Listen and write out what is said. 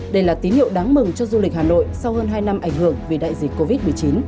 đây là tín hiệu đáng mừng cho du lịch hà nội sau hơn hai năm ảnh hưởng vì đại dịch covid một mươi chín